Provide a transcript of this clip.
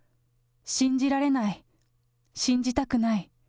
信じられない、信じたくない。